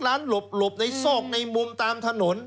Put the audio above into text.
ร้านหลบในซอกในมุมตามถนน